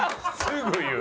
すぐ言う。